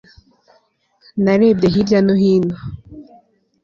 narebye hirya no hino